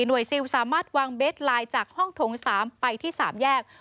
ซิลสามารถวางเบสไลน์จากห้องโถง๓ไปที่๓แยก